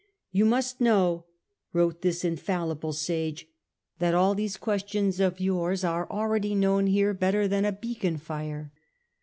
" You must know," wrote this infallible sage, " that all these questions of yours are already known here better than a beacon fire.